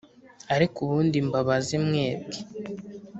ariko ubundi mbabaze mwebwe